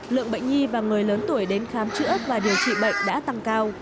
lượng bệnh nhi và người lớn tuổi đến khám chữa và điều trị bệnh đã tăng cao